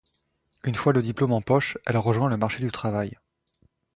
Une fois le diplôme en poche, elle rejoint le marché du travail.